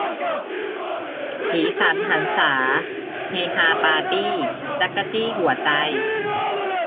สีสันหรรษา เฮฮาปาร์ตี้ จั๊กจี้หัวใจ